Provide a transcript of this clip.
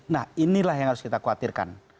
nah inilah yang harus kita khawatirkan